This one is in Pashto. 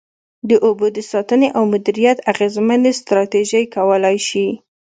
د اوبو د ساتنې او مدیریت اغیزمنې ستراتیژۍ کولای شي.